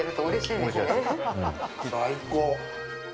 最高。